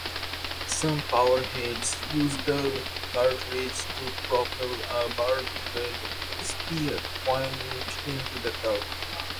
Some powerheads use the cartridge to propel a barbed spear point into the target.